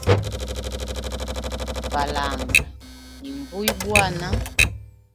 Falanga ni nvuya bwana.